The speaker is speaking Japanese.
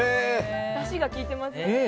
だしが効いてますよね。